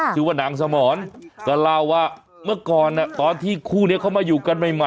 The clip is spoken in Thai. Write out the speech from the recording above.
ชื่อว่านางสมรก็เล่าว่าเมื่อก่อนตอนที่คู่นี้เขามาอยู่กันใหม่